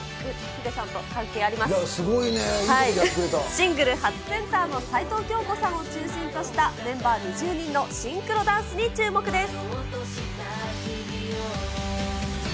シングル初センターの齊藤京子さんを中心としたメンバー２０人のシンクロダンスに注目です。